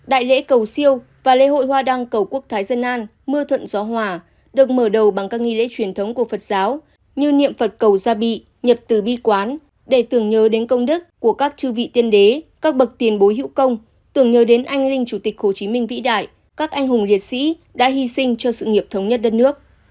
đại lễ cầu siêu và lễ hội hoa đăng cầu quốc thái dân an mưa thuận gió hòa được mở đầu bằng các nghi lễ truyền thống của phật giáo như niệm phật cầu gia bị nhập từ bi quán để tưởng nhớ đến công đức của các chư vị tiên đế các bậc tiền bối hữu công tưởng nhớ đến anh linh chủ tịch hồ chí minh vĩ đại các anh hùng liệt sĩ đã hy sinh cho sự nghiệp thống nhất đất nước